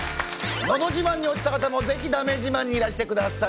「のど自慢」に落ちた方も是非「だめ自慢」にいらしてください。